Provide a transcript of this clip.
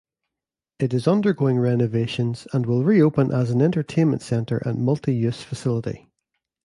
It is undergoing renovations and will re-open as an entertainment center and multi-use facility.